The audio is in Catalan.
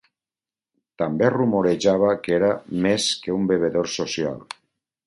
També es rumorejava que era més que un bevedor social.